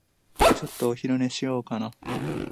ちょっとお昼寝しようかな。